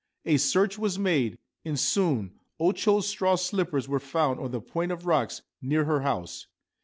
A search was made, and soon O Cho's straw slippers were found on the point of rocks near her house.